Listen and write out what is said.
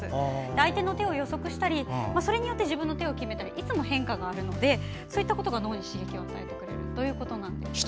相手の手を予測したりそれによって自分の手を決めたりいつも変化があるのでそういったことが脳に刺激を与えてくれるということですね。